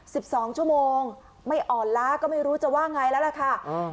สิบสองชั่วโมงไม่อ่อนล้าก็ไม่รู้จะว่าไงแล้วล่ะค่ะอืม